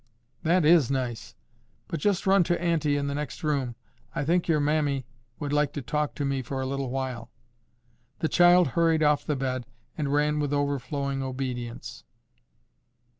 "That IS nice. But just run to auntie in the next room. I think your mammy would like to talk to me for a little while." The child hurried off the bed, and ran with overflowing obedience.